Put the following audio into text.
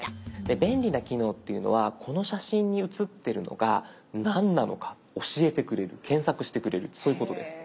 便利な機能っていうのはこの写真に写ってるのが何なのか教えてくれる検索してくれるそういうことです。